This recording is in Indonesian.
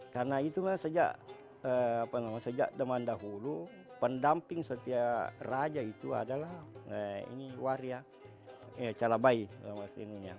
karena itulah sejak zaman dahulu pendamping setia raja itu adalah waria calabai